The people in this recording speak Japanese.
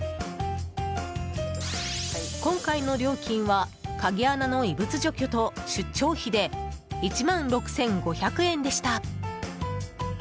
今回の料金は鍵穴の異物除去と出張費で１万６５００円でした。